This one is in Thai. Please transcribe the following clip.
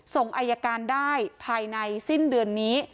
ส่งอายการได้ภายในสิ้นเดือนนี้